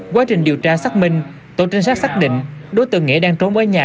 quá trình điều tra xác minh tổ trinh sát xác định đối tượng nghĩa đang trốn ở nhà